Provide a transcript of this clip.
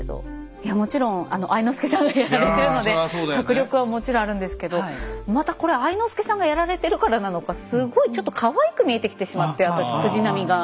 いやもちろん愛之助さんがやられてるので迫力はもちろんあるんですけどまたこれ愛之助さんがやられてるからなのかすごいちょっとかわいく見えてきてしまって私藤波が。